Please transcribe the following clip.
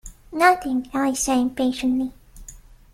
‘Nothing!’ Alice said impatiently.